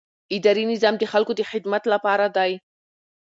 اداري نظام د خلکو د خدمت لپاره دی.